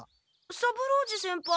三郎次先輩。